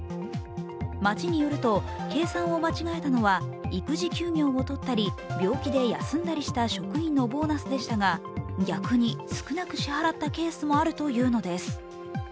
町によると計算を間違えたのは育児休業を取ったり病気で休んだりした職員のボーナスでしたが逆に少なく支払ったケースもあるというのです。